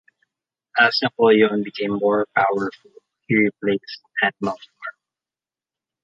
As Napoleon became more powerful, he replaced Animal Farm!